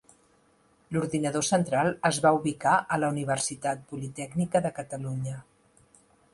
L'ordinador central es va ubicar a la Universitat Politècnica de Catalunya.